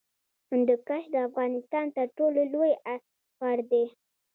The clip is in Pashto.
هندوکش د افغانستان تر ټولو لوی غر دی